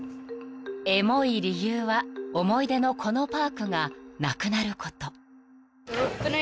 ［エモい理由は思い出のこのパークがなくなること］